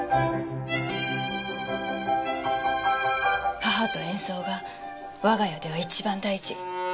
母と演奏が我が家では一番大事。